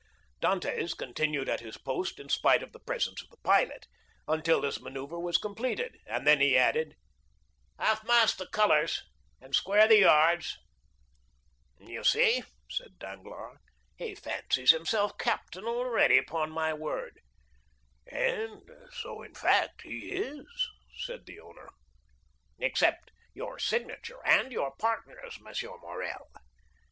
Dantès continued at his post in spite of the presence of the pilot, until this manœuvre was completed, and then he added, "Half mast the colors, and square the yards!" "You see," said Danglars, "he fancies himself captain already, upon my word." "And so, in fact, he is," said the owner. "Except your signature and your partner's, M. Morrel."